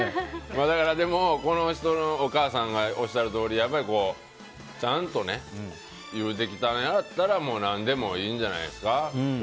この人のお母さんがおっしゃるとおりちゃんと言うてきたんやったら何でもええんじゃないんですか。